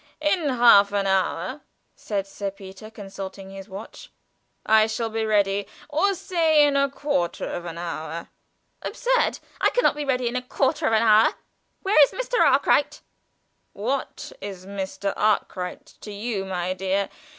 In half an hour," said Sir Peter, consulting his watch, "I shall be ready, or say in quarter of an hour." "Absurd! I can not be ready in quarter of an hour. Where is Mr. Arkwright?" "What is Mr. Arkwright to you, my dear?